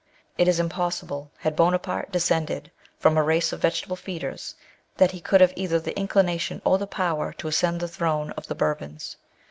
It is impossible had Bonaparte descen ded from a race of vegetable feeders, that he could have either the inclination or the power to ascend the throne ,of the Bourbons.